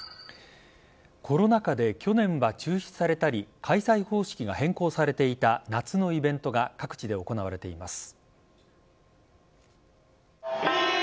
コロナ禍で去年は中止されたり開催方式が変更されていた夏のイベントが各地で行われています。